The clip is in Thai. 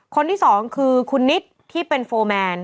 คนนี้๒คือคนนิตท์ที่เป็นโฟร์แมน